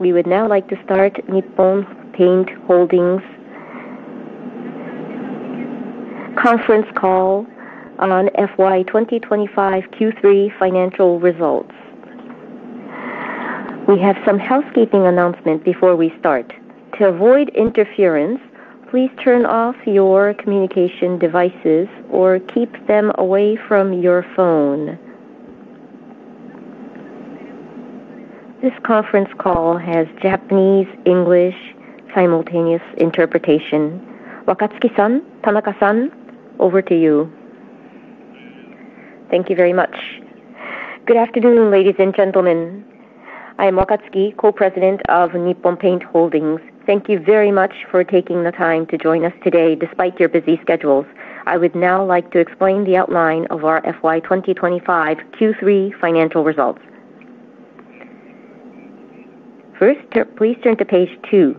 We would now like to start Nippon Paint Holdings' Conference Call on FY 2025 Q3 financial results. We have some housekeeping announcements before we start. To avoid interference, please turn off your communication devices or keep them away from your phone. This conference call has Japanese-English simultaneous interpretation. Wakatsuki-san, Tanaka-san, over to you. Thank you very much. Good afternoon, ladies and gentlemen. I am Wakatsuki, Co-President of Nippon Paint Holdings. Thank you very much for taking the time to join us today despite your busy schedules. I would now like to explain the outline of our FY 2025 Q3 financial results. First, please turn to page two.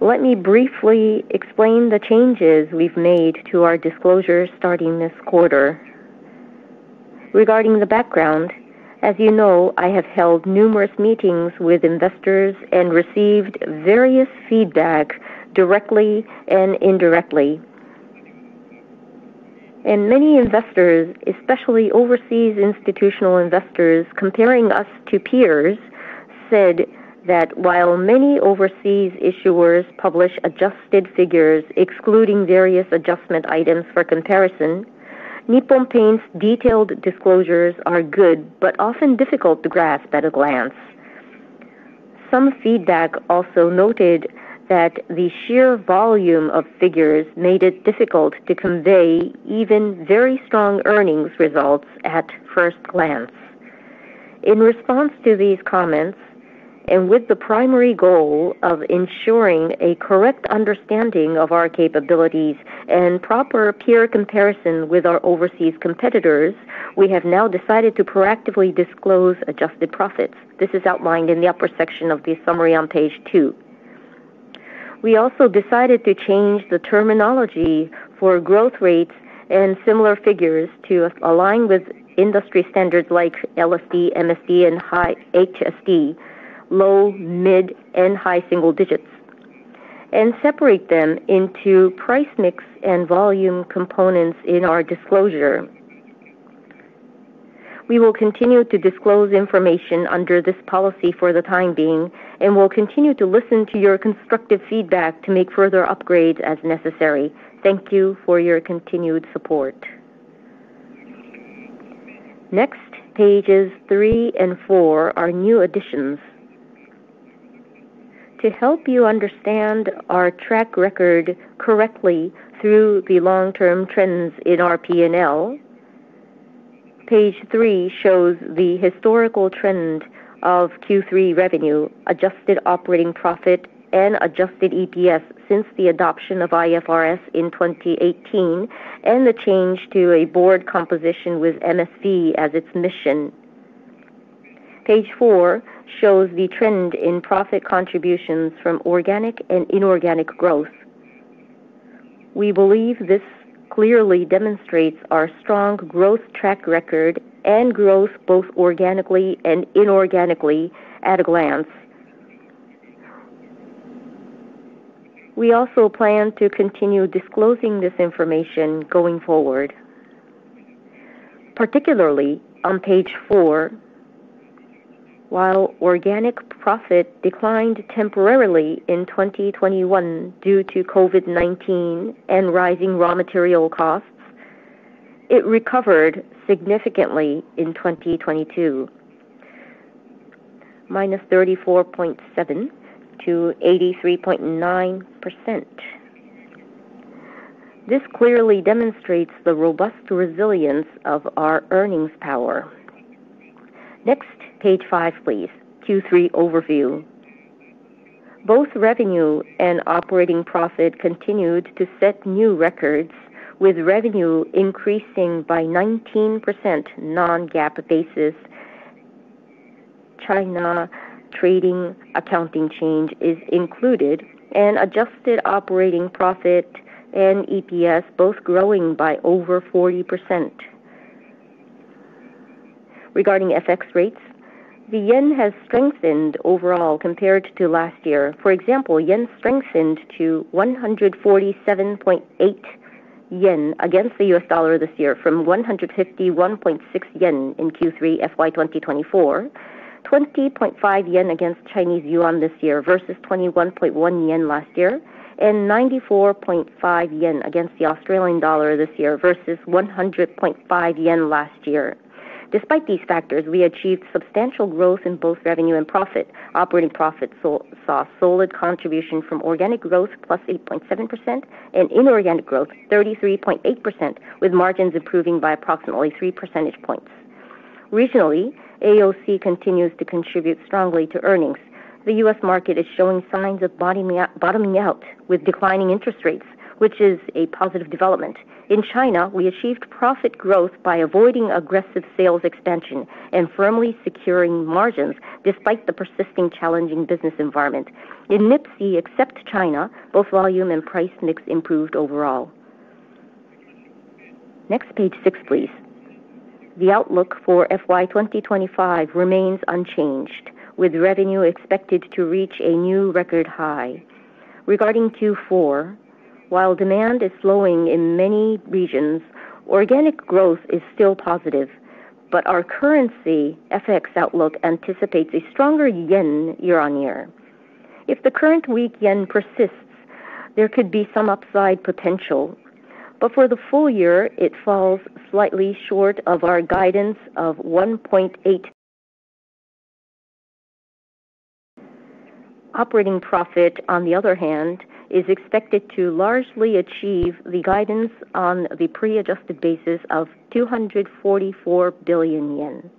Let me briefly explain the changes we've made to our disclosures starting this quarter. Regarding the background, as you know, I have held numerous meetings with investors and received various feedback directly and indirectly. Many investors, especially overseas institutional investors, comparing us to peers, said that while many overseas issuers publish adjusted figures excluding various adjustment items for comparison, Nippon Paint's detailed disclosures are good but often difficult to grasp at a glance. Some feedback also noted that the sheer volume of figures made it difficult to convey even very strong earnings results at first glance. In response to these comments, and with the primary goal of ensuring a correct understanding of our capabilities and proper peer comparison with our overseas competitors, we have now decided to proactively disclose adjusted profits. This is outlined in the upper section of the summary on page two. We also decided to change the terminology for growth rates and similar figures to align with industry standards like LSD, MSD, and HSD, low, mid, and high single digits, and separate them into price mix and volume components in our disclosure. We will continue to disclose information under this policy for the time being and will continue to listen to your constructive feedback to make further upgrades as necessary. Thank you for your continued support. Next, pages three and four are new additions. To help you understand our track record correctly through the long-term trends in our P&L, page three shows the historical trend of Q3 revenue, adjusted operating profit, and adjusted EPS since the adoption of IFRS in 2018 and the change to a board composition with MSV as its mission. Page four shows the trend in profit contributions from organic and inorganic growth. We believe this clearly demonstrates our strong growth track record and growth both organically and inorganically at a glance. We also plan to continue disclosing this information going forward. Particularly on page four, while organic profit declined temporarily in 2021 due to COVID-19 and rising raw material costs, it recovered significantly in 2022, -34.7%-83.9%. This clearly demonstrates the robust resilience of our earnings power. Next, page five, please. Q3 overview. Both revenue and operating profit continued to set new records, with revenue increasing by 19% non-GAAP basis. China trading accounting change is included, and adjusted operating profit and EPS both growing by over 40%. Regarding FX rates, the JPY has strengthened overall compared to last year. For example, 147.8 yen against the dollar this year, from 151.6 yen in Q3 FY 2024, 20.5 yen against Chinese yuan this year versus 21.1 yen last year, and 94.5 yen against the Australian dollar this year versus 100.5 yen last year. Despite these factors, we achieved substantial growth in both revenue and profit. Operating profit saw solid contribution from organic growth, plus 8.7%, and inorganic growth, 33.8%, with margins improving by approximately 3 percentage points. Regionally, AOC continues to contribute strongly to earnings. The US market is showing signs of bottoming out with declining interest rates, which is a positive development. In China, we achieved profit growth by avoiding aggressive sales expansion and firmly securing margins despite the persisting challenging business environment. In NIPC, except China, both volume and price mix improved overall. Next, page six, please. The outlook for FY 2025 remains unchanged, with revenue expected to reach a new record high. Regarding Q4, while demand is slowing in many regions, organic growth is still positive, but our currency FX outlook anticipates a stronger JPY year on year. If the current weak yen persists, there could be some upside potential, but for the full year, it falls slightly short of our guidance of 1.8 billion. Operating profit, on the other hand, is expected to largely achieve the guidance on the pre-adjusted basis of 244 billion yen.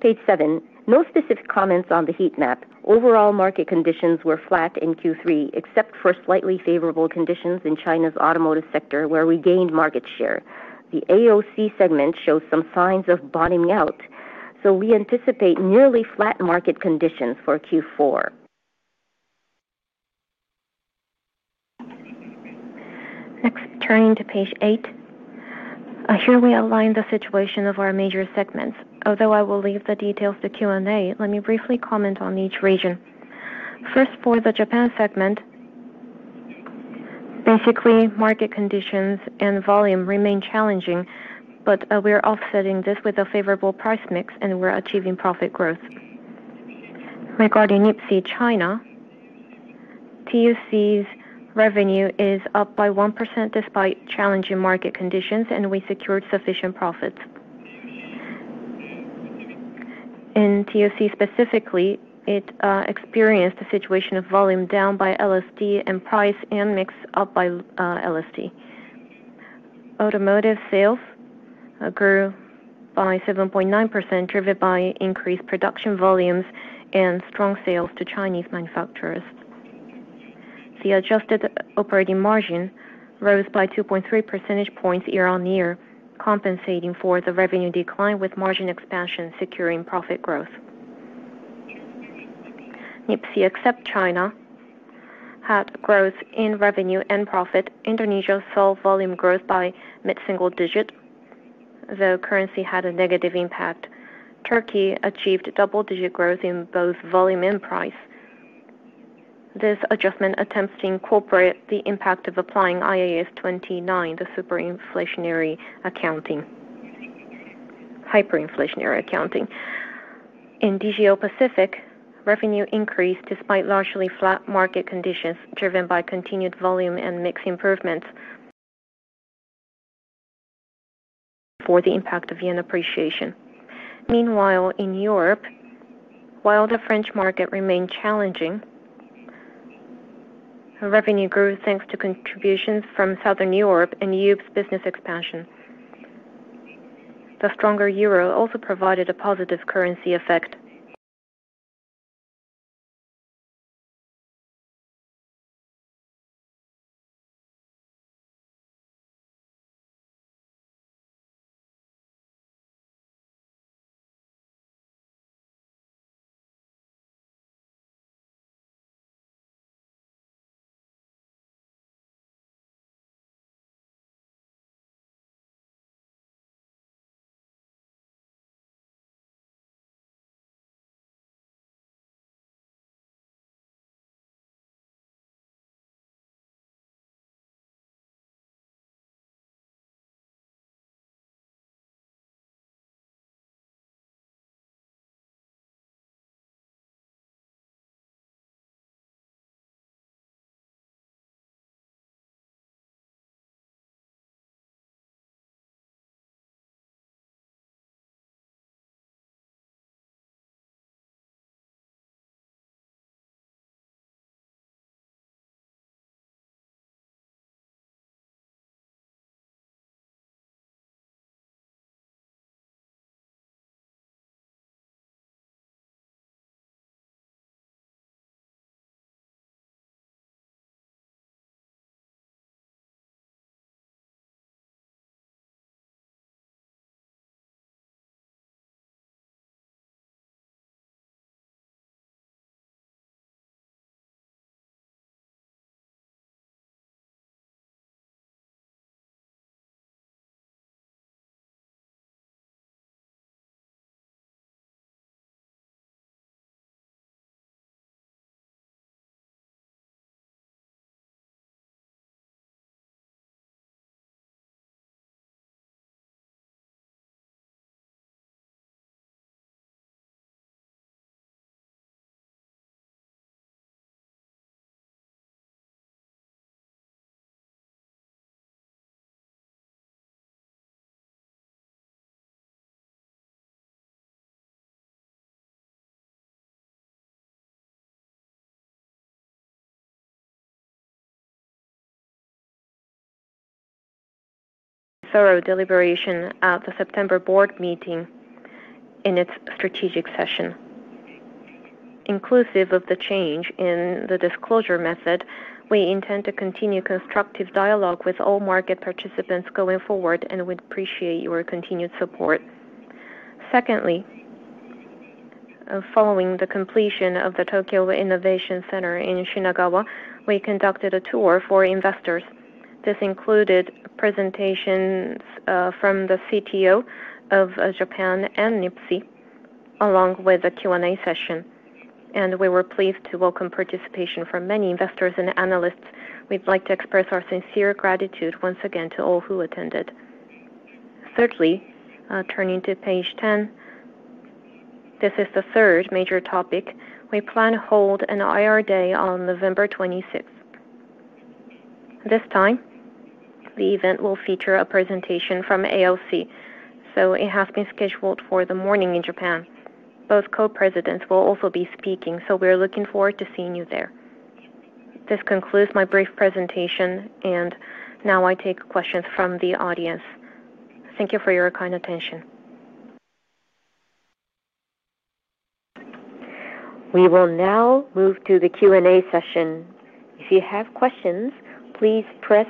Page seven, no specific comments on the heat map. Overall market conditions were flat in Q3, except for slightly favorable conditions in China's automotive sector, where we gained market share. The AOC segment shows some signs of bottoming out, so we anticipate nearly flat market conditions for Q4. Next, turning to page eight, here we outline the situation of our major segments. Although I will leave the details to Q&A, let me briefly comment on each region. First, for the Japan segment, basically, market conditions and volume remain challenging, but we are offsetting this with a favorable price mix, and we're achieving profit growth. Regarding NIPC China, TOC's revenue is up by 1% despite challenging market conditions, and we secured sufficient profits. In TOC specifically, it experienced a situation of volume down by LSD and price and mix up by LSD. Automotive sales grew by 7.9%, driven by increased production volumes and strong sales to Chinese manufacturers. The adjusted operating margin rose by 2.3 percentage points year on year, compensating for the revenue decline with margin expansion securing profit growth. NIPC except China had growth in revenue and profit. Indonesia saw volume growth by mid-single digit, though currency had a negative impact. Turkey achieved double-digit growth in both volume and price. This adjustment attempts to incorporate the impact of applying IAS 29, the superinflationary accounting, hyperinflationary accounting. In DGO Pacific, revenue increased despite largely flat market conditions, driven by continued volume and mix improvements for the impact of yen appreciation. Meanwhile, in Europe, while the French market remained challenging, revenue grew thanks to contributions from Southern Europe and Europe's business expansion. The stronger euro also provided a positive currency effect. Thorough deliberation at the September board meeting in its strategic session. Inclusive of the change in the disclosure method, we intend to continue constructive dialogue with all market participants going forward, and we appreciate your continued support. Secondly, following the completion of the Tokyo Innovation Center in Shinagawa, we conducted a tour for investors. This included presentations from the CTO of Japan and NIPC, along with a Q&A session. We were pleased to welcome participation from many investors and analysts. We would like to express our sincere gratitude once again to all who attended. Thirdly, turning to page 10, this is the third major topic. We plan to hold an IR day on November 26th. This time, the event will feature a presentation from AOC, so it has been scheduled for the morning in Japan. Both co-presidents will also be speaking, so we are looking forward to seeing you there. This concludes my brief presentation, and now I take questions from the audience. Thank you for your kind attention. We will now move to the Q&A session. If you have questions, please press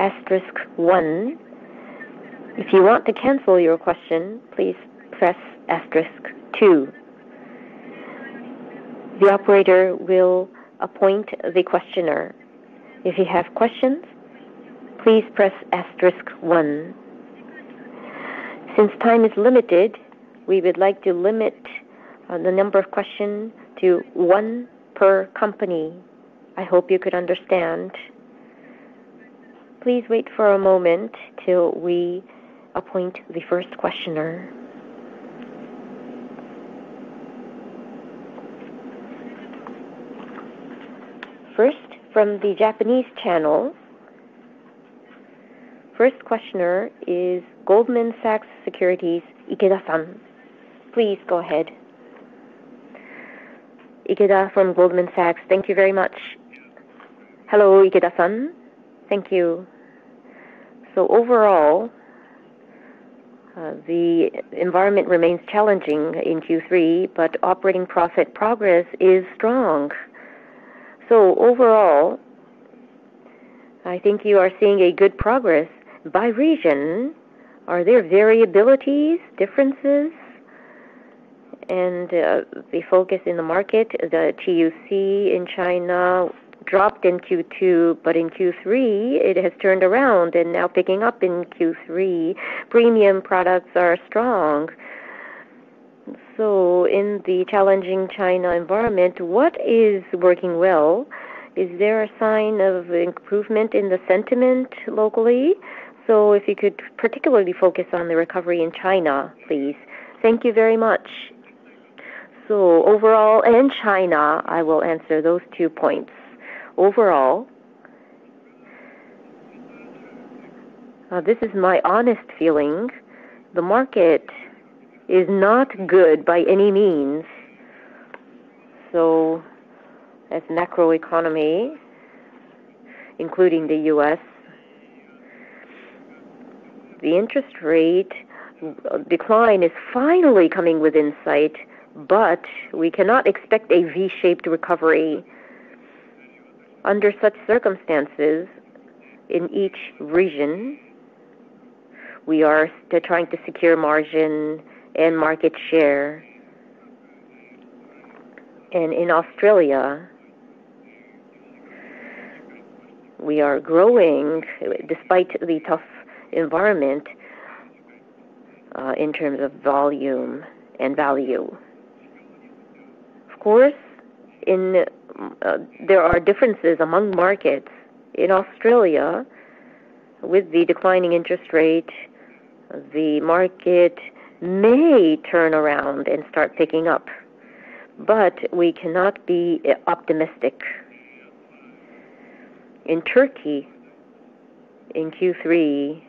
asterisk one. If you want to cancel your question, please press asterisk two. The operator will appoint the questioner. If you have questions, please press asterisk one. Since time is limited, we would like to limit the number of questions to one per company. I hope you could understand. Please wait for a moment till we appoint the first questioner. First, from the Japanese channel, first questioner is Goldman Sachs Securities, Ikeda-san. Please go ahead. Ikeda from Goldman Sachs, thank you very much. Hello, Ikeda-san. Thank you. Overall, the environment remains challenging in Q3, but operating profit progress is strong. Overall, I think you are seeing good progress. By region, are there variabilities, differences? The focus in the market, the TOC in China dropped in Q2, but in Q3, it has turned around and now picking up in Q3. Premium products are strong. In the challenging China environment, what is working well? Is there a sign of improvement in the sentiment locally? If you could particularly focus on the recovery in China, please. Thank you very much. Overall, in China, I will answer those two points. Overall, this is my honest feeling. The market is not good by any means. As for the macroeconomy, including the U.S., the interest rate decline is finally coming within sight, but we cannot expect a V-shaped recovery. Under such circumstances in each region, we are trying to secure margin and market share. In Australia, we are growing despite the tough environment in terms of volume and value. Of course, there are differences among markets. In Australia, with the declining interest rate, the market may turn around and start picking up, but we cannot be optimistic. In Turkey, in Q3,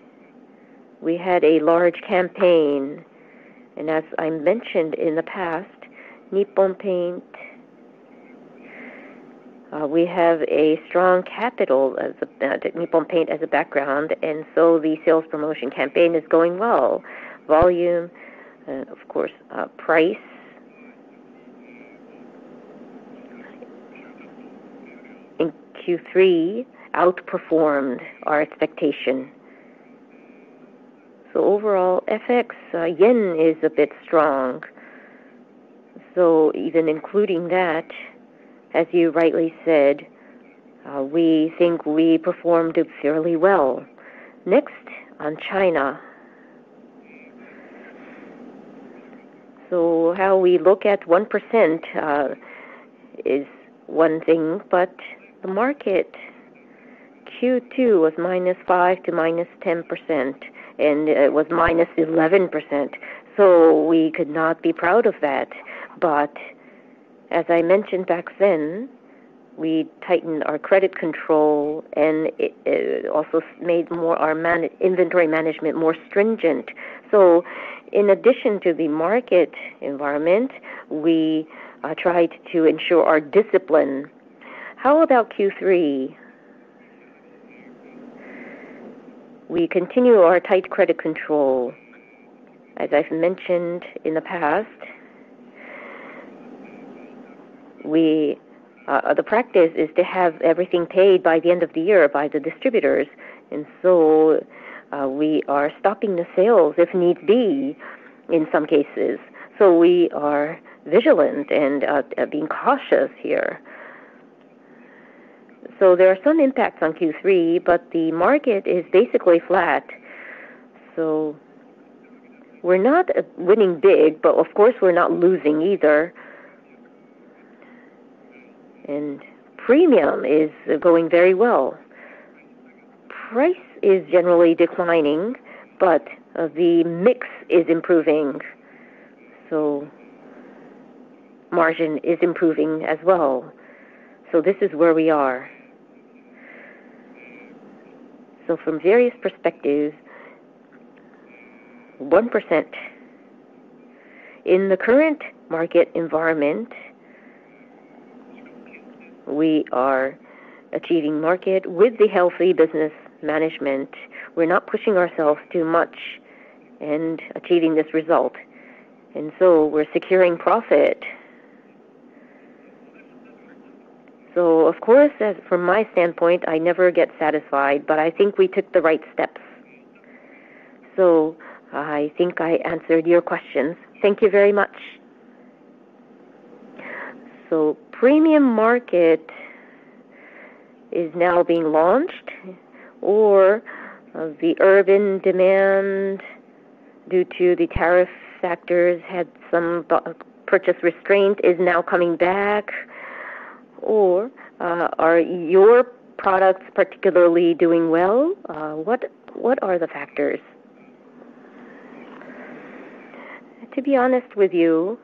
we had a large campaign, and as I mentioned in the past, Nippon Paint, we have a strong capital as a Nippon Paint as a background, and so the sales promotion campaign is going well. Volume, of course, price in Q3 outperformed our expectation. So overall, FX JPY is a bit strong. So even including that, as you rightly said, we think we performed fairly well. Next, on China. How we look at 1% is one thing, but the market Q2 was -5% to -10%, and it was minus 11%. We could not be proud of that. As I mentioned back then, we tightened our credit control and also made our inventory management more stringent. In addition to the market environment, we tried to ensure our discipline. How about Q3? We continue our tight credit control. As I've mentioned in the past, the practice is to have everything paid by the end of the year by the distributors. We are stopping the sales if need be in some cases. We are vigilant and being cautious here. There are some impacts on Q3, but the market is basically flat. We're not winning big, but of course, we're not losing either. Premium is going very well. Price is generally declining, but the mix is improving. Margin is improving as well. This is where we are. From various perspectives, 1% in the current market environment, we are achieving market with the healthy business management. We're not pushing ourselves too much and achieving this result. We are securing profit. Of course, from my standpoint, I never get satisfied, but I think we took the right steps. I think I answered your questions. Thank you very much. Premium market is now being launched, or the urban demand due to the tariff factors had some purchase restraint is now coming back, or are your products particularly doing well? What are the factors? To be honest with you,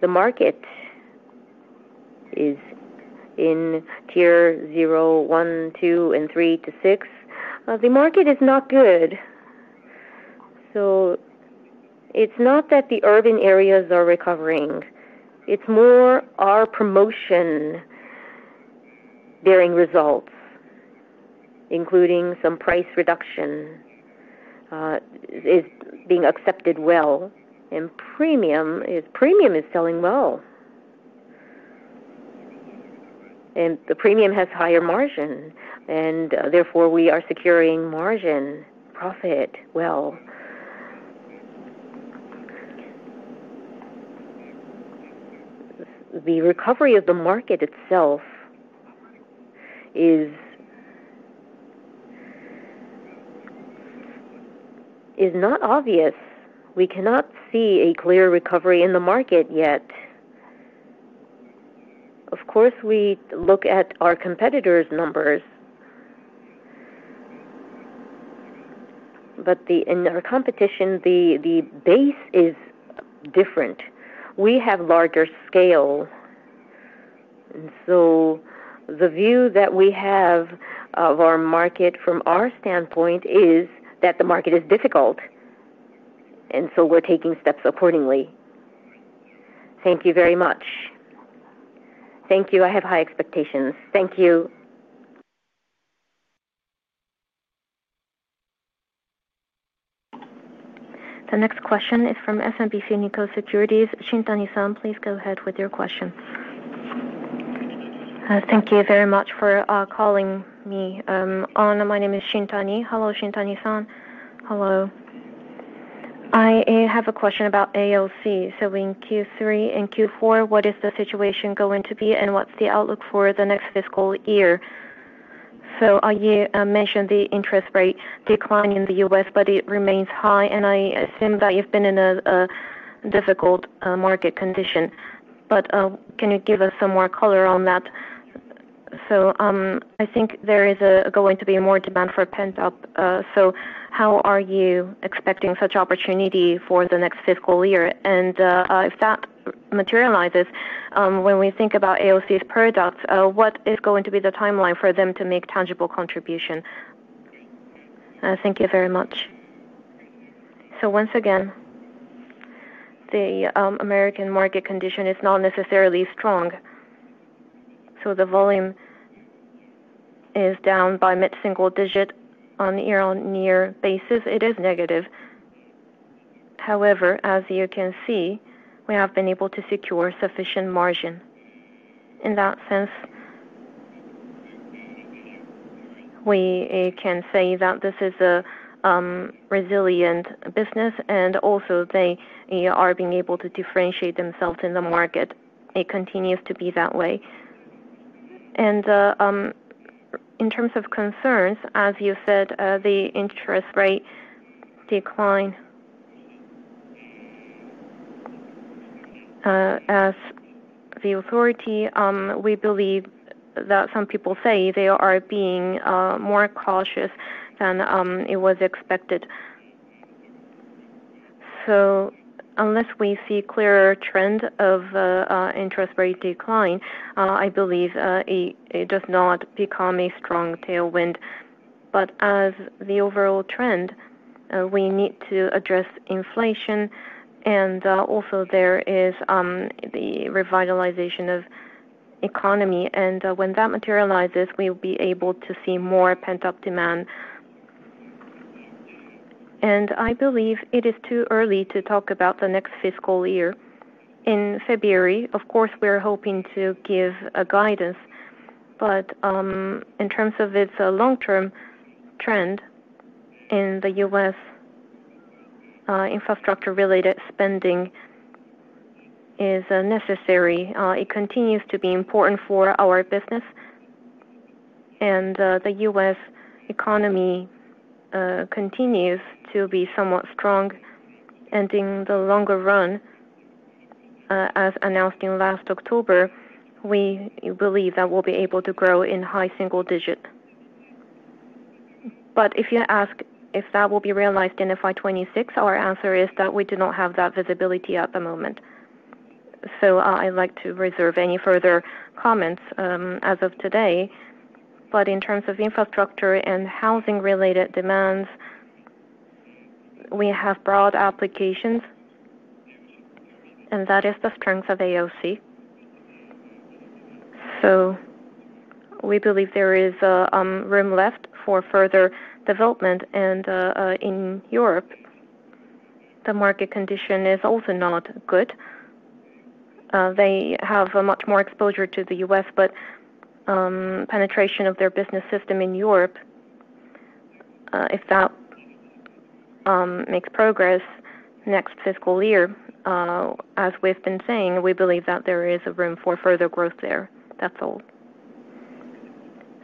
the market is in Tier 0, Tier 1, Tier 2 and Tier 3 and to Tier 6. The market is not good. It is not that the urban areas are recovering. It is more our promotion bearing results, including some price reduction, is being accepted well. Premium is selling well. Premium has higher margin, and therefore we are securing margin profit well. The recovery of the market itself is not obvious. We cannot see a clear recovery in the market yet. Of course, we look at our competitors' numbers, but in our competition, the base is different. We have larger scale. The view that we have of our market from our standpoint is that the market is difficult, and we are taking steps accordingly. Thank you very much. Thank you. I have high expectations. Thank you. The next question is from SMBC Nikko Securities. Shintani-san, please go ahead with your question. Thank you very much for calling me on. My name is Shintani. Hello, Shintani-san. Hello. I have a question about AOC. In Q3 and Q4, what is the situation going to be, and what is the outlook for the next fiscal year? You mentioned the interest rate decline in the United States, but it remains high, and I assume that you have been in a difficult market condition. Can you give us some more color on that? I think there is going to be more demand for pent-up. How are you expecting such opportunity for the next fiscal year? And if that materializes, when we think about AOC's products, what is going to be the timeline for them to make tangible contribution? Thank you very much. Once again, the American market condition is not necessarily strong. The volume is down by mid-single digit on year-on-year basis. It is negative. However, as you can see, we have been able to secure sufficient margin. In that sense, we can say that this is a resilient business, and also they are being able to differentiate themselves in the market. It continues to be that way. In terms of concerns, as you said, the interest rate decline. As the authority, we believe that some people say they are being more cautious than it was expected. Unless we see a clearer trend of interest rate decline, I believe it does not become a strong tailwind. As the overall trend, we need to address inflation, and also there is the revitalization of the economy. When that materializes, we will be able to see more pent-up demand. I believe it is too early to talk about the next fiscal year. In February, of course, we're hoping to give guidance, but in terms of its long-term trend in the U.S., infrastructure-related spending is necessary. It continues to be important for our business, and the U.S. economy continues to be somewhat strong. In the longer run, as announced in last October, we believe that we'll be able to grow in high single digit. If you ask if that will be realized in FY 2026, our answer is that we do not have that visibility at the moment. I would like to reserve any further comments as of today. In terms of infrastructure and housing-related demands, we have broad applications, and that is the strength of AOC. We believe there is room left for further development. In Europe, the market condition is also not good. They have much more exposure to the United States, but penetration of their business system in Europe, if that makes progress next fiscal year, as we have been saying, we believe that there is room for further growth there. That is all.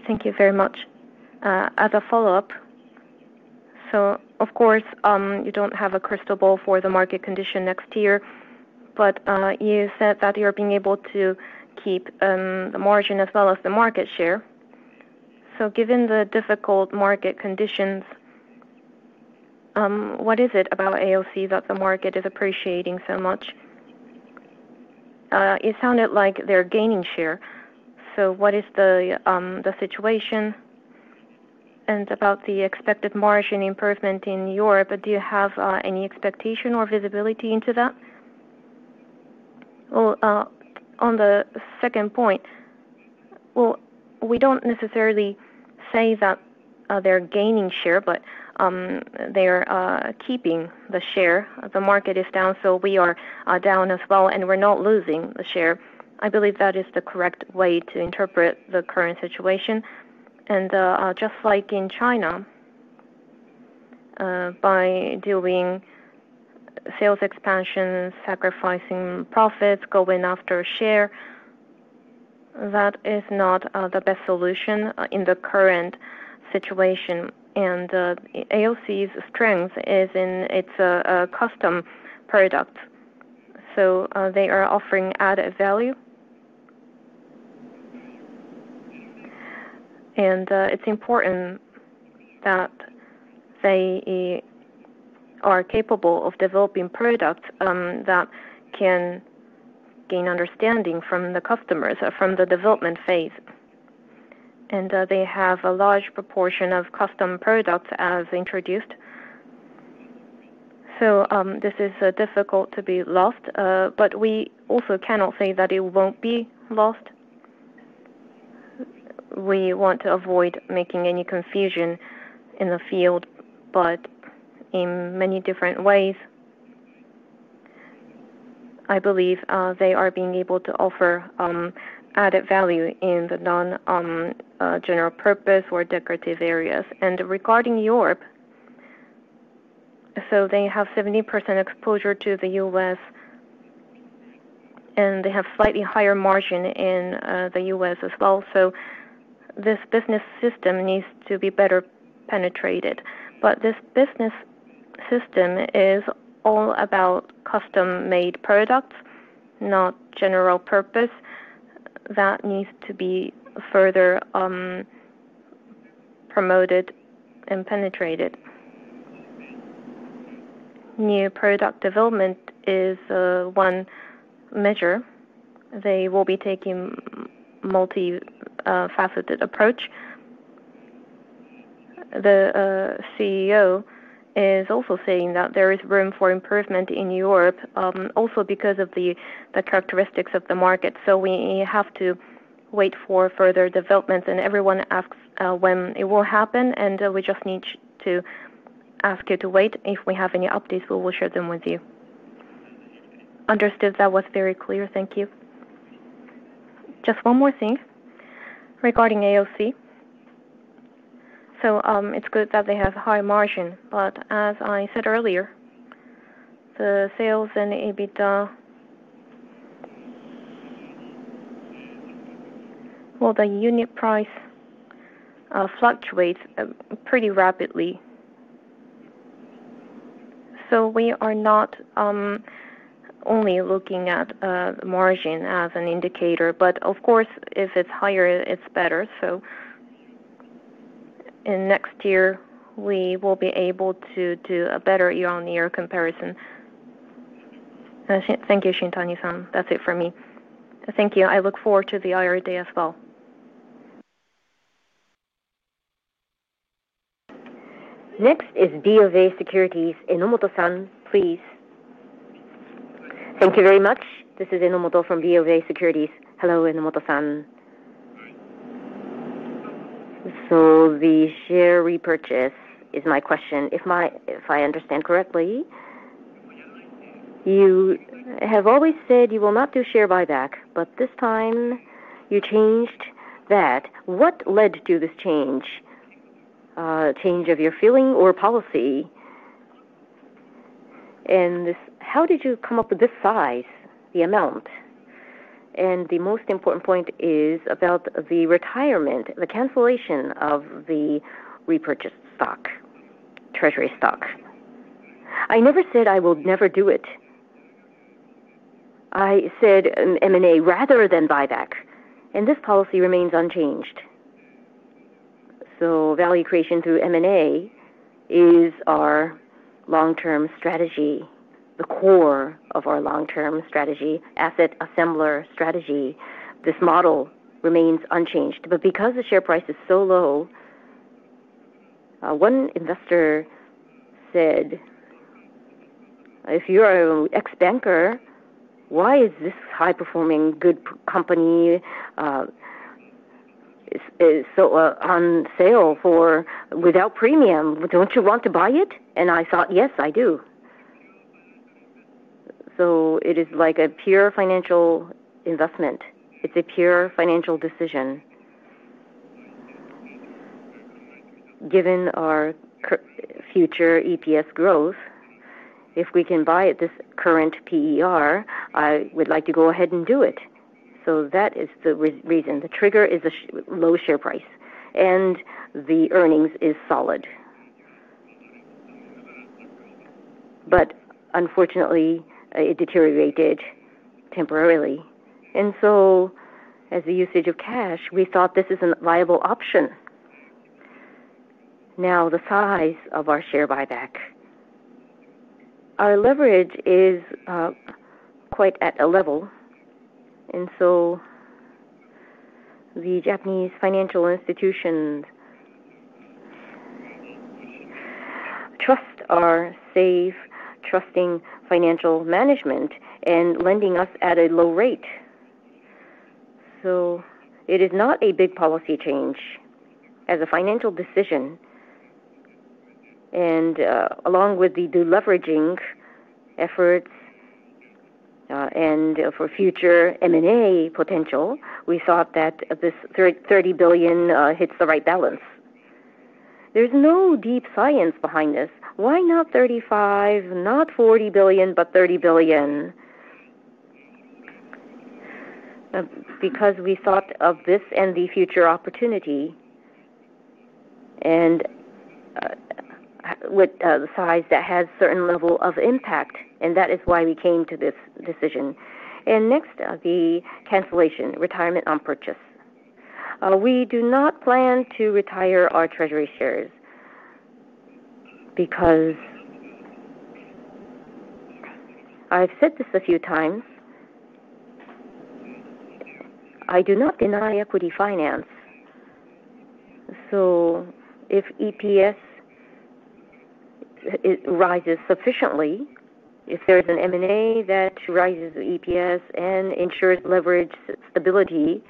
Thank you very much. As a follow-up, so of course, you don't have a crystal ball for the market condition next year, but you said that you're being able to keep the margin as well as the market share. So given the difficult market conditions, what is it about AOC that the market is appreciating so much? It sounded like they're gaining share. So what is the situation? And about the expected margin improvement in Europe, do you have any expectation or visibility into that? On the second point, we don't necessarily say that they're gaining share, but they're keeping the share. The market is down, so we are down as well, and we're not losing the share. I believe that is the correct way to interpret the current situation. Just like in China, by doing sales expansion, sacrificing profits, going after share, that is not the best solution in the current situation. AOC's strength is in its custom products. They are offering added value. It is important that they are capable of developing products that can gain understanding from the customers from the development phase. They have a large proportion of custom products as introduced. This is difficult to be lost, but we also cannot say that it will not be lost. We want to avoid making any confusion in the field, but in many different ways, I believe they are being able to offer added value in the non-general purpose or decorative areas. Regarding Europe, they have 70% exposure to the U.S., and they have slightly higher margin in the U.S. as well. This business system needs to be better penetrated. This business system is all about custom-made products, not general purpose. That needs to be further promoted and penetrated. New product development is one measure. They will be taking a multifaceted approach. The CEO is also saying that there is room for improvement in Europe, also because of the characteristics of the market. We have to wait for further developments, and everyone asks when it will happen, and we just need to ask you to wait. If we have any updates, we will share them with you. Understood. That was very clear. Thank you. Just one more thing regarding AOC. It is good that they have high margin, but as I said earlier, the sales and EBITDA, the unit price fluctuates pretty rapidly. We are not only looking at margin as an indicator, but of course, if it is higher, it is better.In next year, we will be able to do a better year-on-year comparison. Thank you, Shintani-san. That's it for me. Thank you. I look forward to the IRA day as well. Next is BofA Securities. Enomoto-san, please. Thank you very much. This is Enomoto from BofA Securities. Hello, Enomoto-san. The share repurchase is my question. If I understand correctly, you have always said you will not do share buyback, but this time you changed that. What led to this change? Change of your feeling or policy? How did you come up with this size, the amount? The most important point is about the retirement, the cancellation of the repurchased stock, treasury stock. I never said I will never do it. I said M&A rather than buyback. This policy remains unchanged. Value creation through M&A is our long-term strategy, the core of our long-term strategy, asset assembler strategy. This model remains unchanged. Because the share price is so low, one investor said, "If you're an ex-banker, why is this high-performing good company on sale without premium? Don't you want to buy it?" I thought, "Yes, I do." It is like a pure financial investment. It's a pure financial decision. Given our future EPS growth, if we can buy this current PER, I would like to go ahead and do it. That is the reason. The trigger is a low share price, and the earnings are solid. Unfortunately, it deteriorated temporarily. As the usage of cash, we thought this is a viable option. Now, the size of our share buyback. Our leverage is quite at a level. Japanese financial institutions trust our safe, trusting financial management and lend to us at a low rate. It is not a big policy change as a financial decision. Along with the deleveraging efforts and for future M&A potential, we thought that this 30 billion hits the right balance. There is no deep science behind this. Why not 35 billion, not 40 billion, but 30 billion? We thought of this and the future opportunity and with the size that has a certain level of impact. That is why we came to this decision. Next, the cancellation, retirement on purchase. We do not plan to retire our treasury shares because I have said this a few times. I do not deny equity finance. If EPS rises sufficiently, if there is an M&A that raises EPS and ensures leverage stability,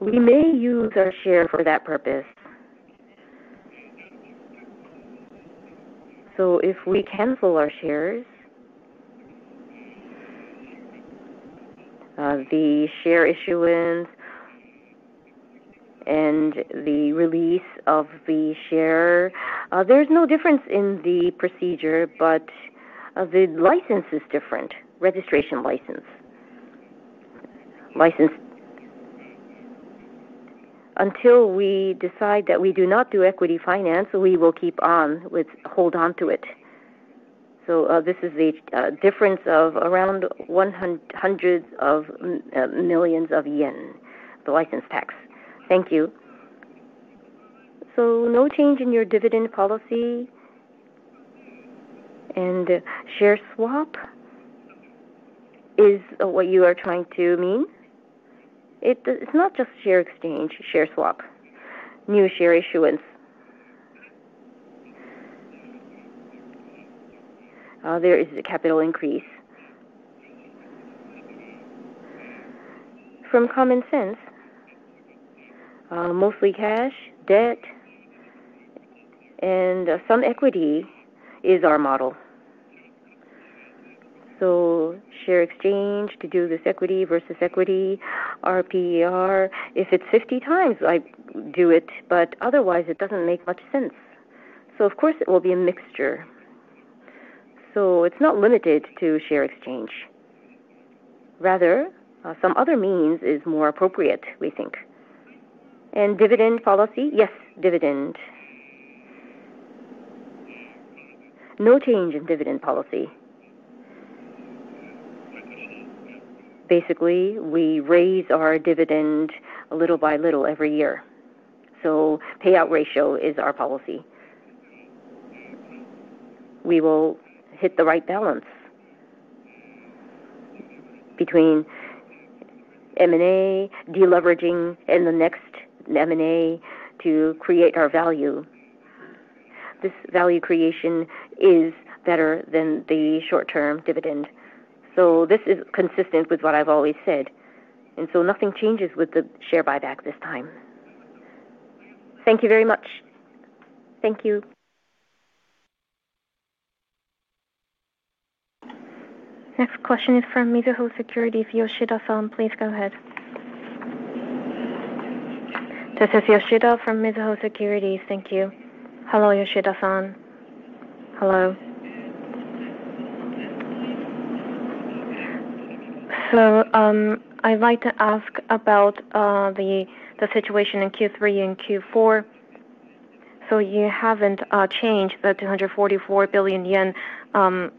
we may use our share for that purpose. If we cancel our shares, the share issuance and the release of the share, there is no difference in the procedure, but the license is different, registration license. Until we decide that we do not do equity finance, we will keep on with hold on to it. This is the difference of around 100s of millions of JPY, the license tax. Thank you. No change in your dividend policy and share swap is what you are trying to mean. It is not just share exchange, share swap, new share issuance. There is a capital increase. From common sense, mostly cash, debt, and some equity is our model. Share exchange to do this equity versus equity, our PER. If it is 50x, I do it, but otherwise, it does not make much sense. Of course, it will be a mixture. It is not limited to share exchange. Rather, some other means is more appropriate, we think. And dividend policy? Yes, dividend. No change in dividend policy. Basically, we raise our dividend little by little every year. So payout ratio is our policy. We will hit the right balance between M&A, deleveraging, and the next M&A to create our value. This value creation is better than the short-term dividend. This is consistent with what I've always said. Nothing changes withthe share buyback this time. Thank you very much. Thank you. Next question is from Mizuho Securities. Yoshida-san, please go ahead. This is Yoshida from Mizuho Securities. Thank you. Hello, Yoshida-san. Hello. I'd like to ask about the situation in Q3 and Q4. You haven't changed the 244 billion yen outlook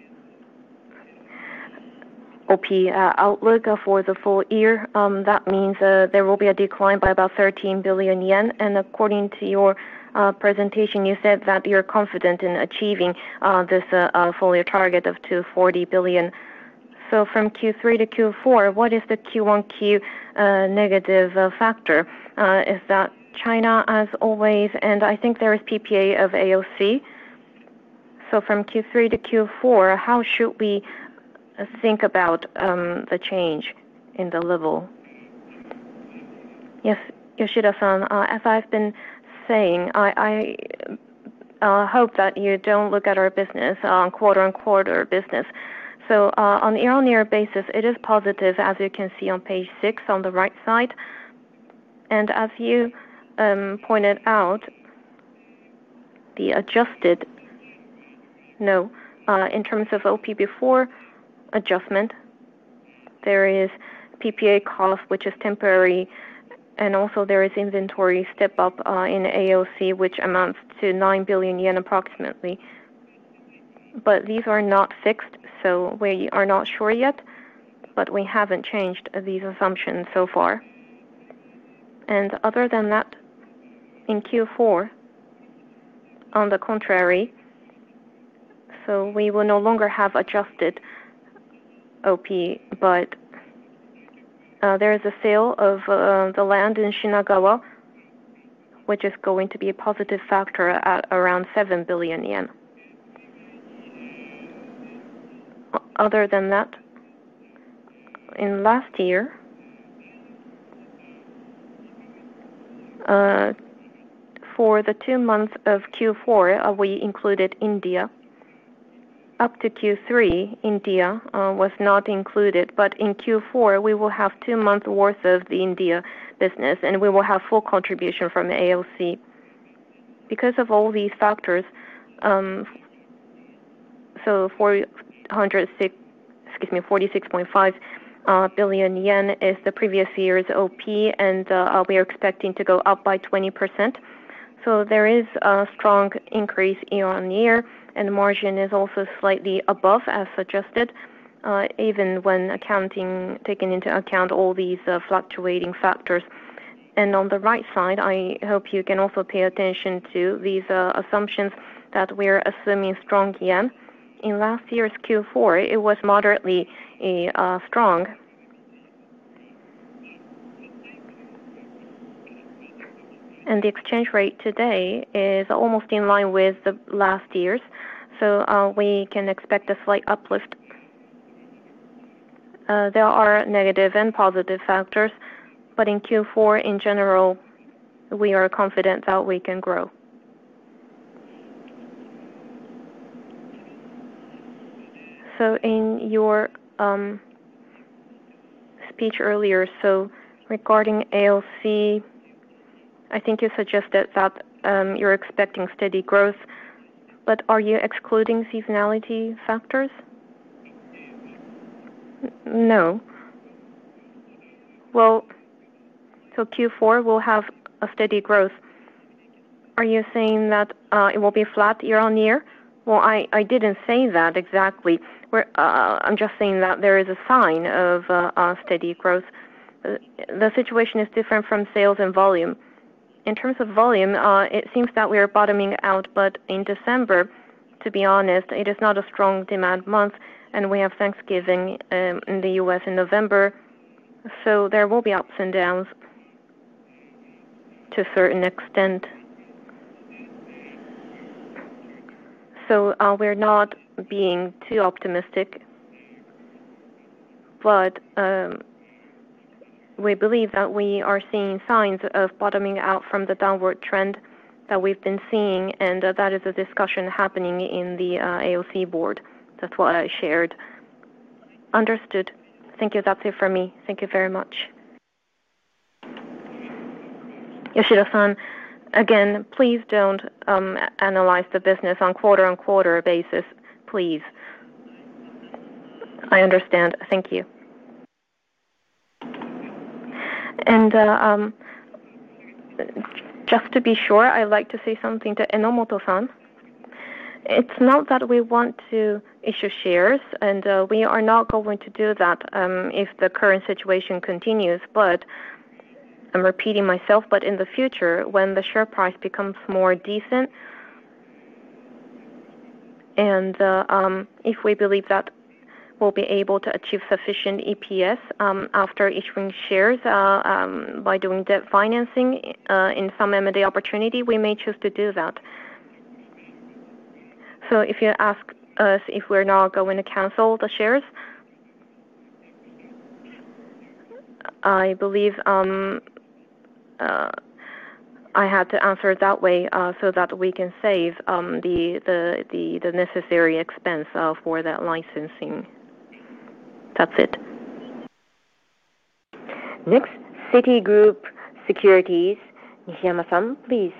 for the full year. That means there will be a decline by about 13 billion yen. According to your presentation, you said that you're confident in achieving this full year target of 240 billion. From Q3-Q4, what is the Q-on-Q negative factor? Is that China, as always, and I think there is PPA of AOC? From Q3 to Q4, how should we think about the change in the level? Yes, Yoshida-san. As I've been saying, I hope that you don't look at our business, quote-unquote, our business. On a year-on-year basis, it is positive, as you can see on page six on the right side. As you pointed out, the adjusted, no, in terms of OP before adjustment, there is PPA cost, which is temporary, and also there is inventory step-up in AOC, which amounts to approximately 9 billion yen. These are not fixed, so we are not sure yet, but we haven't changed these assumptions so far. Other than that, in Q4, on the contrary, we will no longer have adjusted operating profit, but there is a sale of the land in Shinagawa, which is going to be a positive factor at around 7 billion yen. Other than that, in last year, for the two months of Q4, we included India. Up to Q3, India was not included, but in Q4, we will have two months' worth of the India business, and we will have full contribution from AOC. Because of all these factors, JPY 46.5 billion is the previous year's operating profit, and we are expecting to go up by 20%. There is a strong increase year-on-year, and the margin is also slightly above, as suggested, even when taking into account all these fluctuating factors. On the right side, I hope you can also pay attention to these assumptions that we are assuming strong JPY. In last year's Q4, it was moderately strong. The exchange rate today is almost in line with last year's, so we can expect a slight uplift. There are negative and positive factors, but in Q4, in general, we are confident that we can grow. In your speech earlier, regarding AOC, I think you suggested that you're expecting steady growth, but are you excluding seasonality factors? No. Q4 will have a steady growth. Are you saying that it will be flat year-on-year? I did not say that exactly. I am just saying that there is a sign of steady growth. The situation is different from sales and volume. In terms of volume, it seems that we are bottoming out, but in December, to be honest, it is not a strong demand month, and we have Thanksgiving in the U.S. in November, so there will be ups and downs to a certain extent. We are not being too optimistic, but we believe that we are seeing signs of bottoming out from the downward trend that we have been seeing, and that is a discussion happening in the AOC board. That is what I shared. Understood. Thank you. That is it for me. Thank you very much. Yoshida-san, again, please do not analyze the business on quote-unquote basis, please. I understand. Thank you. Just to be sure, I would like to say something to Enomoto-san. It's not that we want to issue shares, and we are not going to do that if the current situation continues, but I'm repeating myself, but in the future, when the share price becomes more decent, and if we believe that we'll be able to achieve sufficient EPS after issuing shares by doing debt financing in some M&A opportunity, we may choose to do that. If you ask us if we're not going to cancel the shares, I believe I had to answer that way so that we can save the necessary expense for that licensing. That's it. Next, Citigroup Securities. Nishiyama-san, please.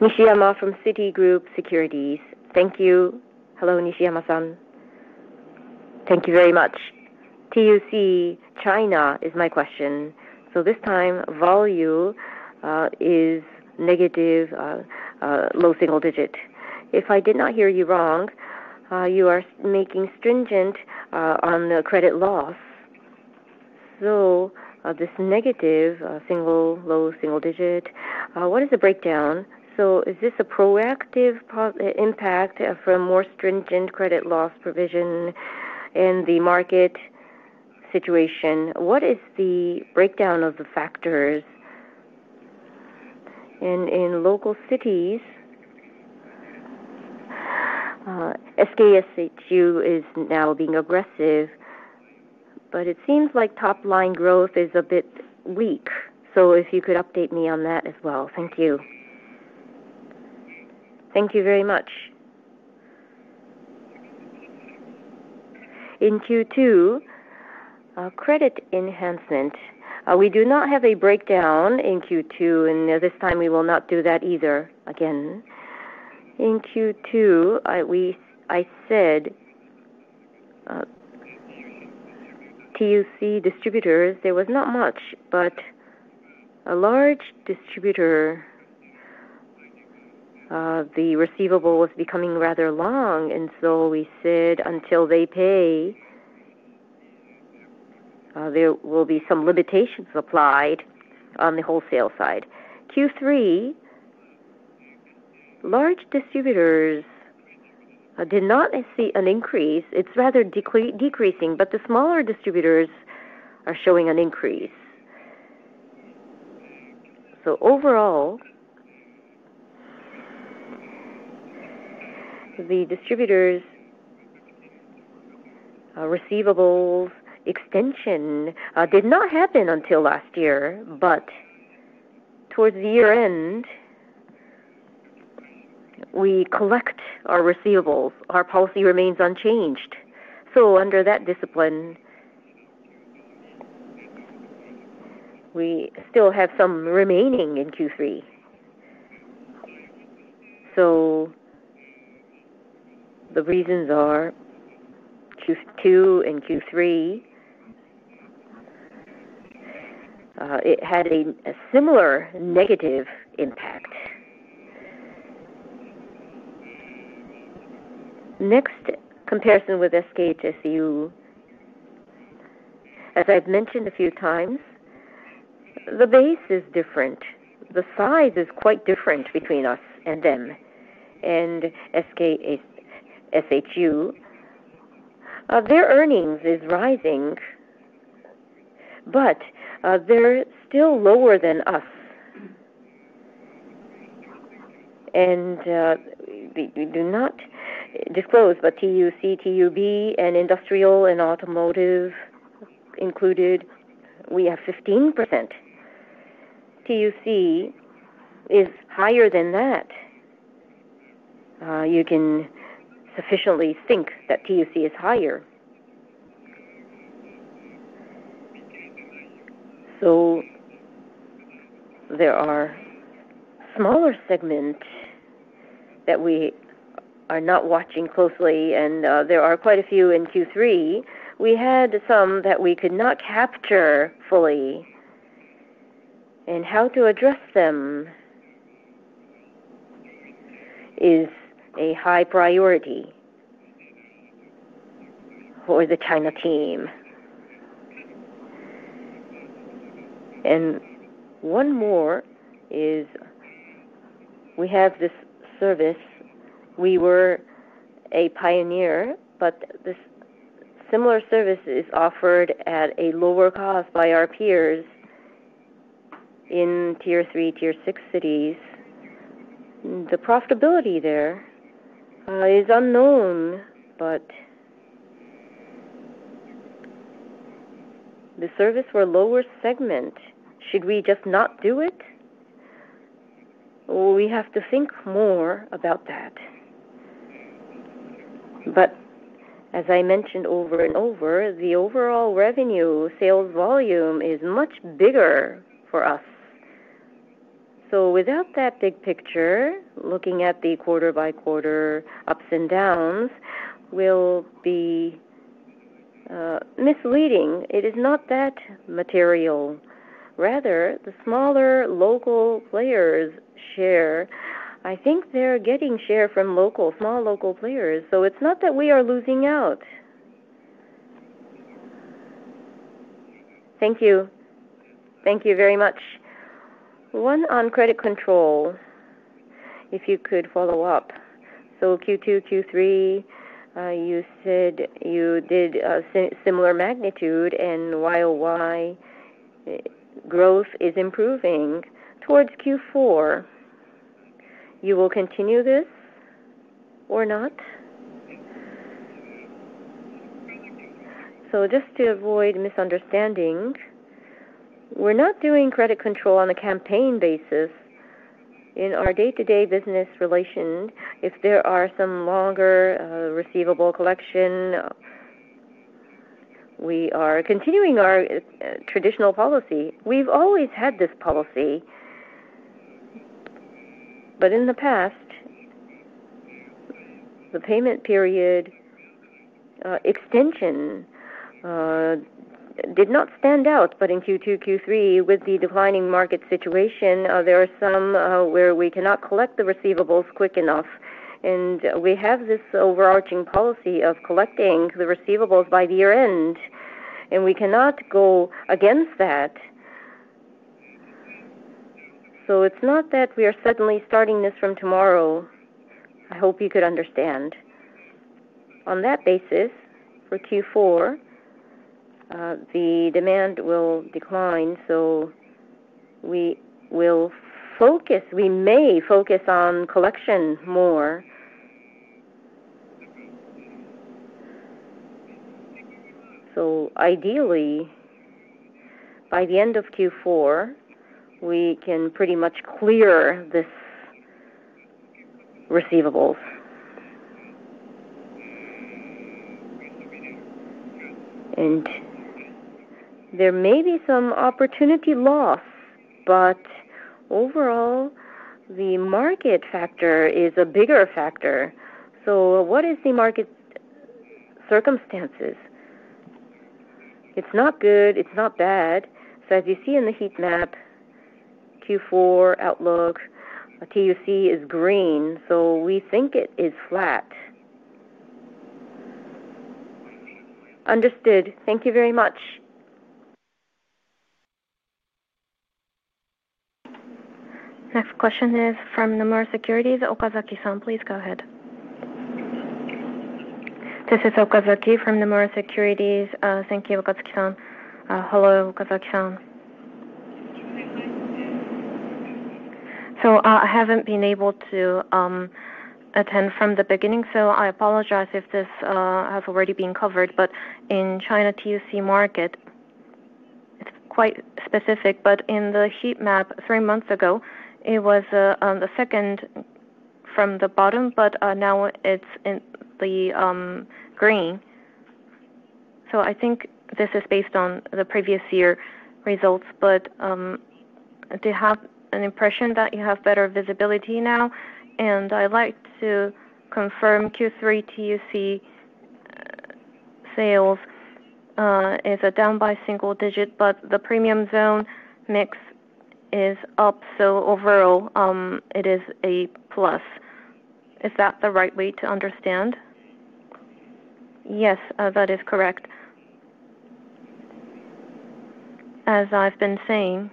Nishiyama from Citigroup Securities. Thank you. Hello, Nishiyama-san. Thank you very much. TUC China is my question. This time, volume is negative, low single digit. If I did not hear you wrong, you are making stringent on the credit loss. This negative, low single digit, what is the breakdown? Is this a proactive impact from more stringent credit loss provision in the market situation? What is the breakdown of the factors? In local cities, Skshu is now being aggressive, but it seems like top-line growth is a bit weak. If you could update me on that as well. Thank you. Thank you very much. In Q2, credit enhancement. We do not have a breakdown in Q2, and this time, we will not do that either again. In Q2, I said TOC distributors, there was not much, but a large distributor, the receivable was becoming rather long, and until they pay, there will be some limitations applied on the wholesale side. In Q3, large distributors did not see an increase. It is rather decreasing, but the smaller distributors are showing an increase. Overall, the distributors' receivables extension did not happen until last year, but towards the year-end, we collect our receivables. Our policy remains unchanged. Under that discipline, we still have some remaining in Q3. The reasons are Q2 and Q3 had a similar negative impact. Next, comparison with Skshu. As I've mentioned a few times, the base is different. The size is quite different between us and them. Skshu, their earnings is rising, but they're still lower than us. We do not disclose, but TUC, TUB, and industrial and automotive included, we have 15%. TUC is higher than that. You can sufficiently think that TUC is higher. There are smaller segments that we are not watching closely, and there are quite a few in Q3. We had some that we could not capture fully, and how to address them is a high priority for the China team. One more is we have this service. We were a pioneer, but this similar service is offered at a lower cost by our peers in Tier 3, Tier 6 cities. The profitability there is unknown, but the service for lower segment, should we just not do it? We have to think more about that. As I mentioned over and over, the overall revenue sales volume is much bigger for us. Without that big picture, looking at the quarter-by-quarter ups and downs will be misleading. It is not that material. Rather, the smaller local players share. I think they're getting share from small local players. It is not that we are losing out. Thank you. Thank you very much. One on credit control, if you could follow up. Q2, Q3, you said you did similar magnitude, and while growth is improving towards Q4, you will continue this or not? Just to avoid misunderstanding, we're not doing credit control on a campaign basis. In our day-to-day business relations, if there are some longer receivable collection, we are continuing our traditional policy. We've always had this policy, but in the past, the payment period extension did not stand out, but in Q2, Q3, with the declining market situation, there are some where we cannot collect the receivables quick enough. We have this overarching policy of collecting the receivables by the year-end, and we cannot go against that. It's not that we are suddenly starting this from tomorrow. I hope you could understand. On that basis, for Q4, the demand will decline, so we may focus on collection more. Ideally, by the end of Q4, we can pretty much clear this receivables. There may be some opportunity loss, but overall, the market factor is a bigger factor. What is the market circumstances? It's not good. It's not bad. As you see in the heat map, Q4 outlook, TUC is green, so we think it is flat. Understood. Thank you very much. Next question is from Nomura Securities, Okazaki-san. Please go ahead. This is Okazaki from Nomura Securities. Thank you, [Okazaki-san]. Hello, Okazaki-san. I have not been able to attend from the beginning, so I apologize if this has already been covered, but in China TUC market, it is quite specific, but in the heat map three months ago, it was the second from the bottom, but now it is in the green. I think this is based on the previous year results, but to have an impression that you have better visibility now, and I would like to confirm Q3 TUC sales is down by single digit, but the premium zone mix is up, so overall, it is a plus. Is that the right way to understand? Yes, that is correct. As I have been saying,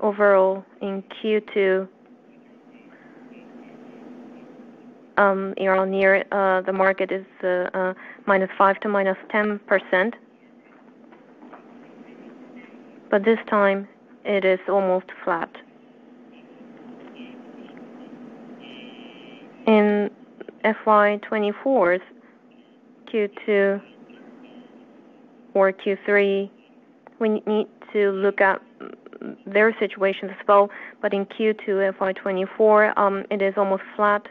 overall, in Q2, the market is -5% to -10%, but this time, it is almost flat. In FY 2024, Q2 or Q3, we need to look at their situation as well, but in Q2 FY 2024, it is almost flat.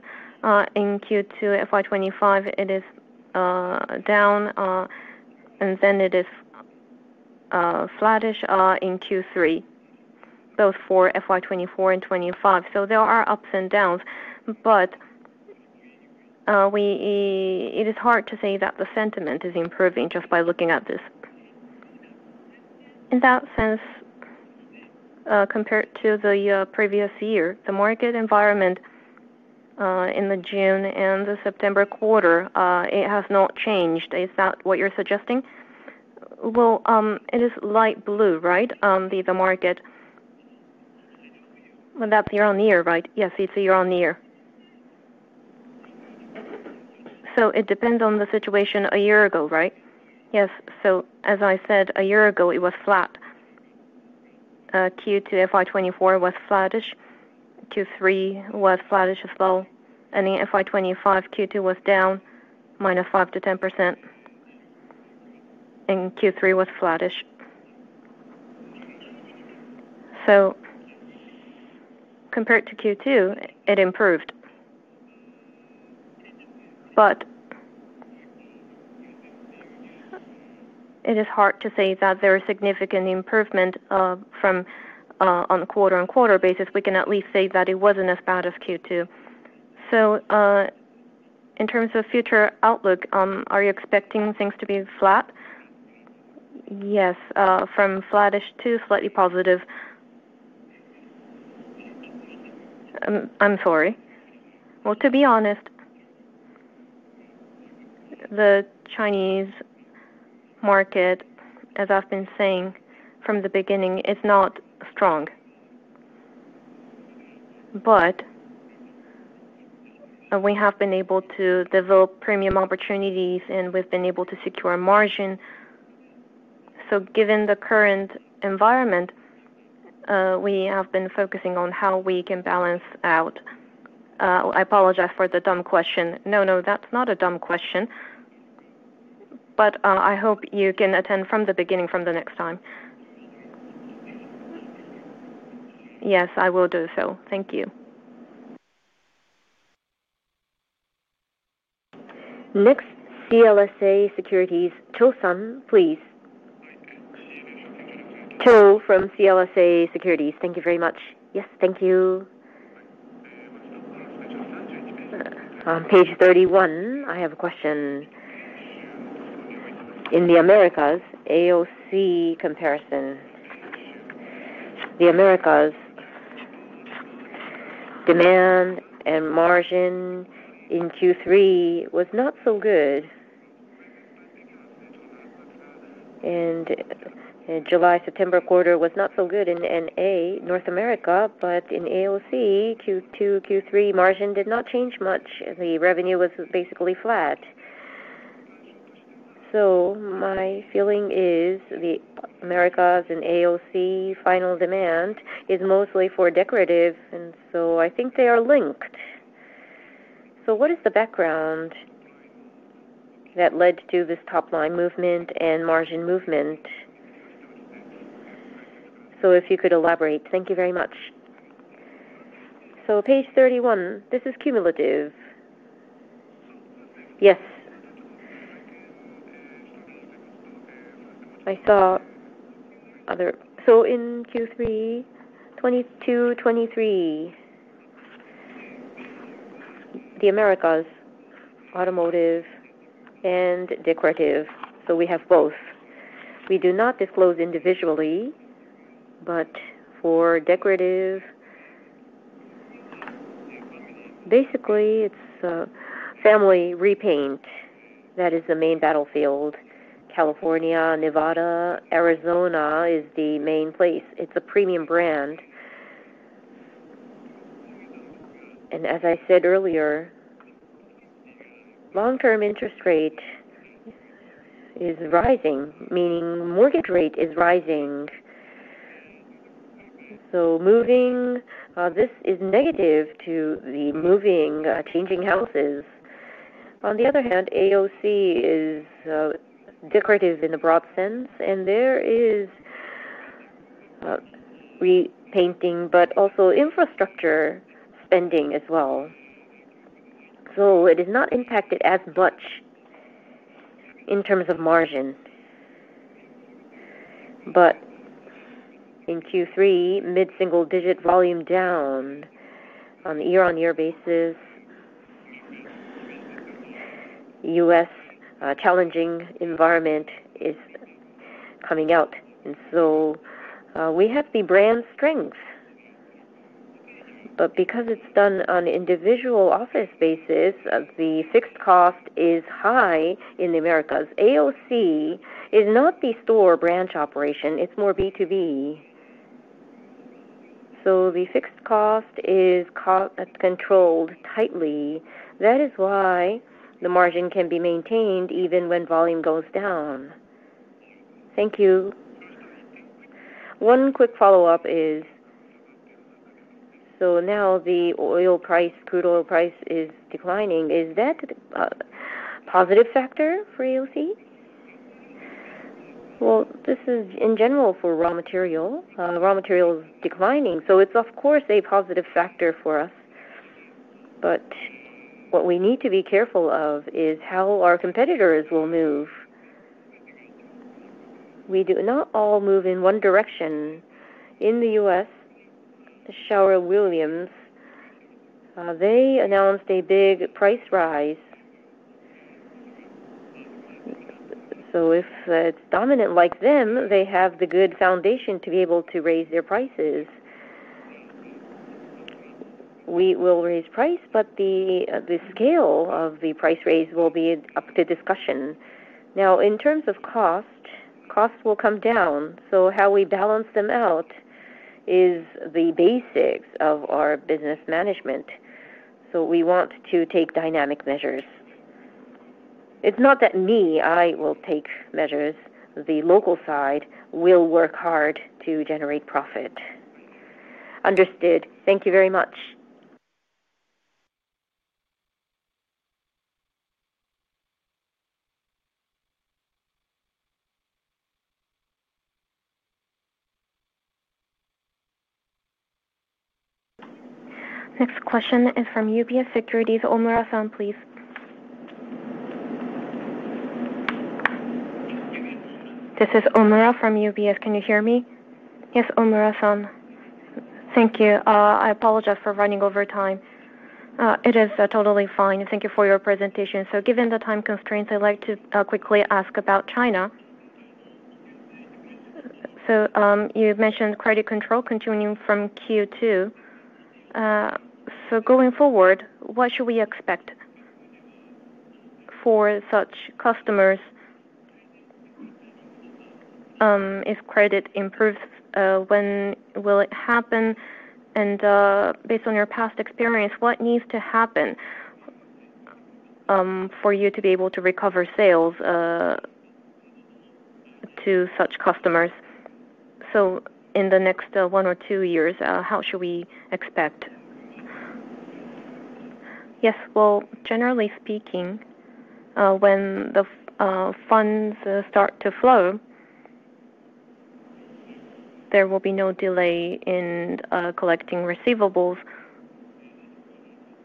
In Q2 FY 2025, it is down, and then it is flattish in Q3, both for FY 2024 and 2025. There are ups and downs, but it is hard to say that the sentiment is improving just by looking at this. In that sense, compared to the previous year, the market environment in the June and the September quarter, it has not changed. Is that what you are suggesting? It is light blue, right, the market? That is year-on-year, right? Yes, it is year-on-year. It depends on the situation a year ago, right? Yes. As I said, a year ago, it was flat. Q2 FY 2024 was flattish. Q3 was flattish as well. In FY 2025, Q2 was down -5-10%, and Q3 was flattish. Compared to Q2, it improved, but it is hard to say that there is significant improvement on a quarter-on-quarter basis. We can at least say that it was not as bad as Q2. In terms of future outlook, are you expecting things to be flat? Yes. From flattish to slightly positive. I am sorry. To be honest, the Chinese market, as I have been saying from the beginning, is not strong. We have been able to develop premium opportunities, and we have been able to secure margin. Given the current environment, we have been focusing on how we can balance out. I apologize for the dumb question. No, no, that is not a dumb question, but I hope you can attend from the beginning next time. Yes, I will do so. Thank you. Next, CLSA Securities. Cho Sun, please. Cho from CLSA Securities. Thank you very much. Yes, thank you. On page 31, I have a question. In the Americas, AOC comparison. The Americas, demand and margin in Q3 was not so good. July-September quarter was not so good in North America, but in AOC, Q2, Q3, margin did not change much. The revenue was basically flat. My feeling is the Americas and AOC final demand is mostly for decorative, and I think they are linked. What is the background that led to this top-line movement and margin movement? If you could elaborate. Thank you very much. Page 31, this is cumulative. Yes. I saw other. In Q3, 2022, 2023, the Americas, automotive, and decorative. We have both. We do not disclose individually, but for decorative, basically, it is family repaint. That is the main battlefield. California, Nevada, Arizona is the main place. It is a premium brand. As I said earlier, long-term interest rate is rising, meaning mortgage rate is rising. Moving, this is negative to the moving, changing houses. On the other hand, AOC is decorative in the broad sense, and there is repainting, but also infrastructure spending as well. It is not impacted as much in terms of margin. In Q3, mid-single digit volume down on the year-on-year basis. U.S. challenging environment is coming out. We have the brand strength. Because it is done on individual office basis, the fixed cost is high in the Americas. AOC is not the store branch operation. It is more B2B. The fixed cost is controlled tightly. That is why the margin can be maintained even when volume goes down. Thank you. One quick follow-up is, now the oil price, crude oil price is declining. Is that a positive factor for AOC? In general for raw material, raw material is declining. So it's, of course, a positive factor for us. What we need to be careful of is how our competitors will move. We do not all move in one direction. In the U.S., Sherwin-Williams, they announced a big price rise. If it's dominant like them, they have the good foundation to be able to raise their prices. We will raise price, but the scale of the price raise will be up to discussion. In terms of cost, cost will come down. How we balance them out is the basics of our business management. We want to take dynamic measures. It's not that me, I will take measures. The local side will work hard to generate profit. Understood. Thank you very much. Next question is from UBS Securities. Omura-san, please. This is Omura from UBS. Can you hear me? Yes, Omura-san. Thank you. I apologize for running over time. It is totally fine. Thank you for your presentation. Given the time constraints, I'd like to quickly ask about China. You mentioned credit control continuing from Q2. Going forward, what should we expect for such customers? If credit improves, when will it happen? Based on your past experience, what needs to happen for you to be able to recover sales to such customers? In the next one or two years, how should we expect? Yes. Generally speaking, when the funds start to flow, there will be no delay in collecting receivables.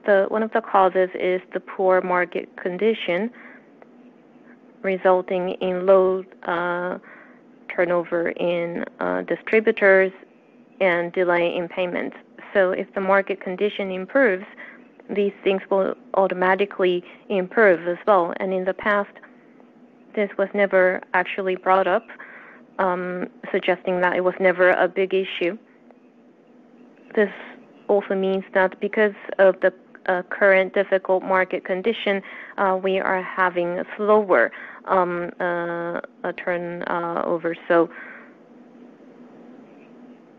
One of the causes is the poor market condition, resulting in low turnover in distributors and delay in payments. If the market condition improves, these things will automatically improve as well. In the past, this was never actually brought up, suggesting that it was never a big issue. This also means that because of the current difficult market condition, we are having a slower turnover.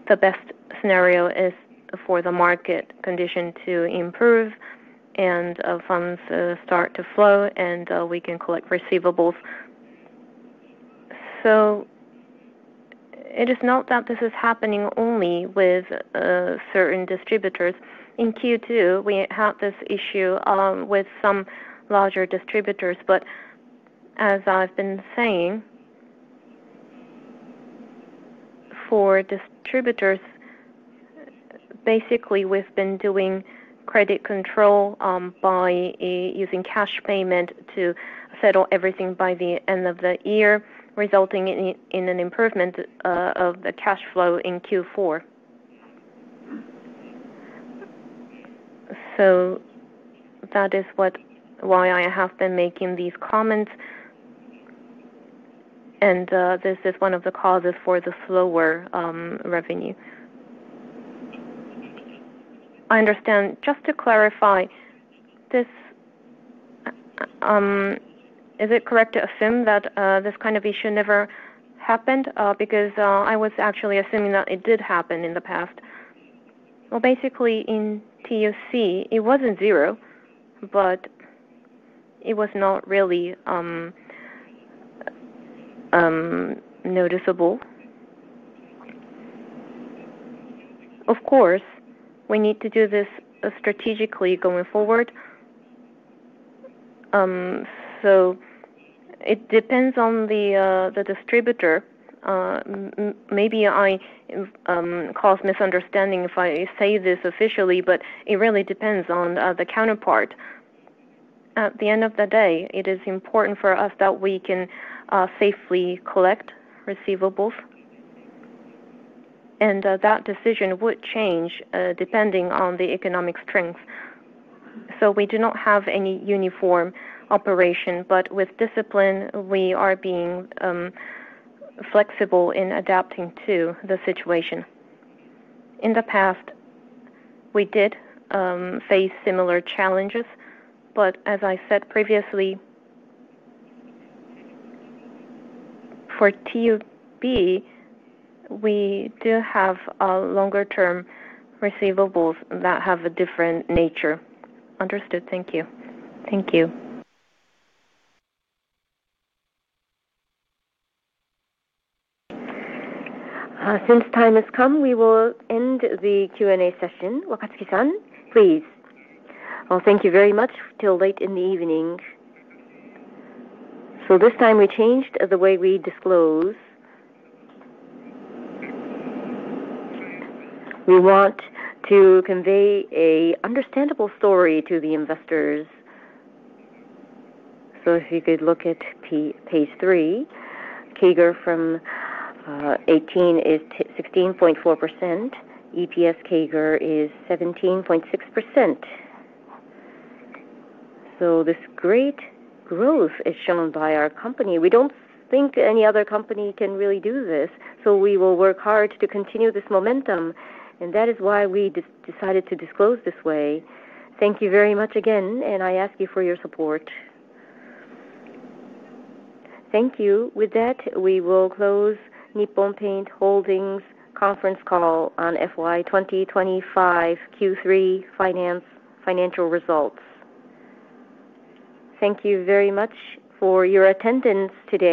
The best scenario is for the market condition to improve and funds start to flow, and we can collect receivables. It is not that this is happening only with certain distributors. In Q2, we had this issue with some larger distributors, but as I've been saying, for distributors, basically, we've been doing credit control by using cash payment to settle everything by the end of the year, resulting in an improvement of the cash flow in Q4. That is why I have been making these comments, and this is one of the causes for the slower revenue. I understand. Just to clarify, is it correct to assume that this kind of issue never happened? Because I was actually assuming that it did happen in the past. In TOC, it was not zero, but it was not really noticeable. Of course, we need to do this strategically going forward. It depends on the distributor. Maybe I cause misunderstanding if I say this officially, but it really depends on the counterpart. At the end of the day, it is important for us that we can safely collect receivables, and that decision would change depending on the economic strength. We do not have any uniform operation, but with discipline, we are being flexible in adapting to the situation. In the past, we did face similar challenges, but as I said previously, for TUB, we do have longer-term receivables that have a different nature. Understood. Thank you. Thank you. Since time has come, we will end the Q&A session. Wakatsuki-san, please. Thank you very much. Until late in the evening. This time, we changed the way we disclose. We want to convey an understandable story to the investors. If you could look at page 3, CAGR from 2018 is 16.4%. EPS CAGR is 17.6%. This great growth is shown by our company. We do not think any other company can really do this. We will work hard to continue this momentum, and that is why we decided to disclose this way. Thank you very much again, and I ask you for your support. Thank you. With that, we will close Nippon Paint Holdings' conference call on FY 2025 Q3 Financial Results. Thank you very much for your attendance today.